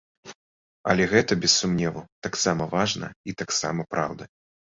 Але гэта без сумневу таксама важна і таксама праўда.